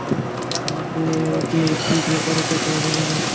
আমাকে দিয়ে কি যে করাতে চাও জানি না।